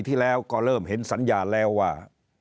ที่แล้วก็เริ่มเห็นสัญญาแล้วว่า